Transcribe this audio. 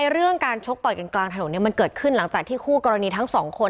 เรื่องการชกต่อยกันกลางถนนมันเกิดขึ้นหลังจากที่คู่กรณีทั้งสองคน